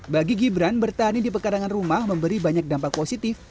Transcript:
bagi gibran bertani di pekarangan rumah memberi banyak dampak positif